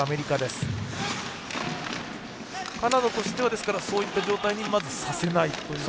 カナダとしてはそういった状態にまずさせないと。